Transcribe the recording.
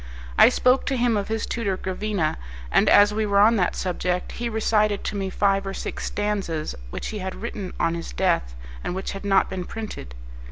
I spoke to him of his tutor Gravina, and as we were on that subject he recited to me five or six stanzas which he had written on his death, and which had not been printed.